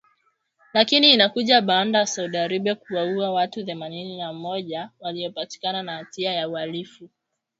lakini inakuja baada ya Saudi Arabia kuwaua watu themanini na mmoja waliopatikana na hatia ya uhalifu